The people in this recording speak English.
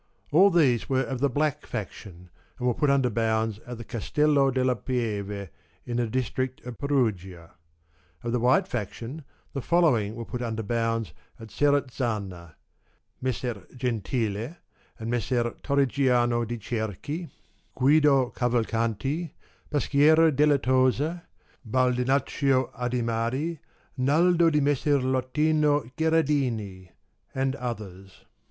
All these were of the Black faction, and were put under bounds at the Castello della Pieve in the district of Perugia. Of the White faction the follow ing were put under bounds at Serezzana, Messer Gentile and Messer Torrigiano de' Cerchi, Guido 124 Cavalcanti, Baschiera della Tosa, Baldinaccio Adimari, Naldo di Messer Lottino Gherardini, and others.